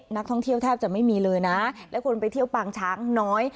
นักท่องเที่ยวแทบจะไม่มีเลยนะและคนไปเที่ยวปางช้างน้อย